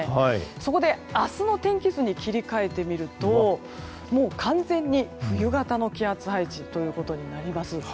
そこで明日の天気図に切り替えてみるともう完全に冬型の気圧配置ということになります。